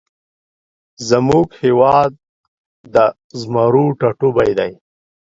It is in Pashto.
زمونږ هیواد د زمرو ټاټوبی دی